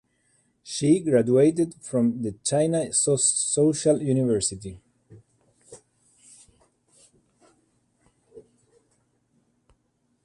She graduated from the China Social University.